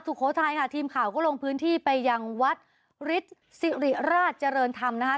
โขทัยค่ะทีมข่าวก็ลงพื้นที่ไปยังวัดฤทธิ์สิริราชเจริญธรรมนะคะ